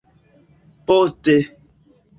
Poste.